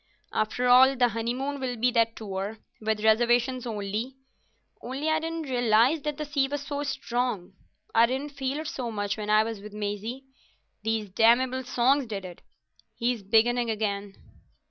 "After all, the honeymoon will be that tour—with reservations; only... only I didn't realise that the sea was so strong. I didn't feel it so much when I was with Maisie. These damnable songs did it. He's beginning again."